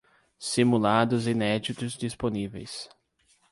Simulados inéditos disponíveis